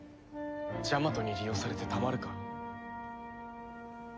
ジャマトに利用されてたまるか。